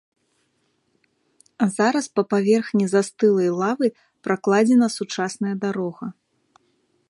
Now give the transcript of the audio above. Зараз па паверхні застылай лавы пракладзена сучасная дарога.